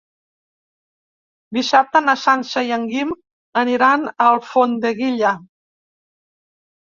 Dissabte na Sança i en Guim aniran a Alfondeguilla.